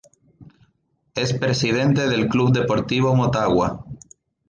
Es Presidente del Club Deportivo Motagua.